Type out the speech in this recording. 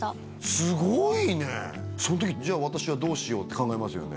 すごいねその時じゃ私はどうしようって考えますよね